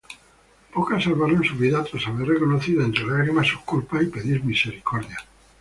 Pocas salvaron sus vidas tras haber reconocido entre lágrimas sus culpas y pedir misericordia.